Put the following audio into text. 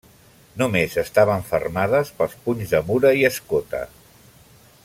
Només estaven fermades pels punys d'amura i escota.